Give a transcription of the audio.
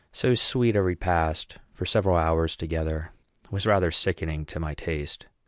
So sweet a repast, for several hours together, was rather sickening to my taste.